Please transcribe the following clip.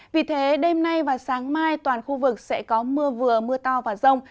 vì thế đêm nay và sáng mai toàn khu vực sẽ có mưa vừa mưa to và rông